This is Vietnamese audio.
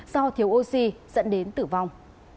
do thiếu oxy dẫn đến tử vong